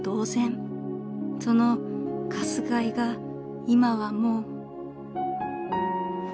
［そのかすがいが今はもう］